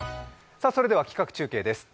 それでは企画中継です。